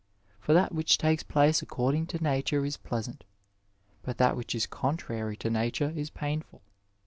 For that which takes place acGoiding to nature is pleasant, but that which is contrary to nature is painful.